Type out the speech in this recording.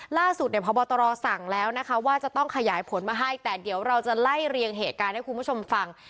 ล่าสุดเนี่ยพบตรสั่งแล้วนะคะว่าจะต้องขยายผลมาให้แต่เดี๋ยวเราจะไล่เรียงเหตุการณ์ให้คุณผู้ชมฟัง